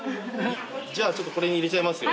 じゃあちょっとこれに入れちゃいますよ。